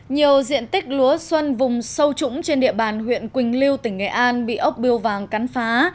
nhiều diện tích lúa xuân vùng sâu trũng trên địa bàn huyện quỳnh lưu tỉnh nghệ an bị ốc biêu vàng cắn phá